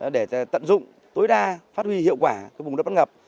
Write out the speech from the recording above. để tận dụng tối đa phát huy hiệu quả của vùng đất bán ngập